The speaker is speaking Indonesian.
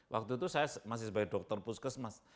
waktu itu saya masih sebagai dokter puskesmas